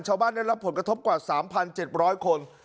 ชาวบ้านได้รับผลกระทบกว่าสามพันเจ็ดบร้อยคน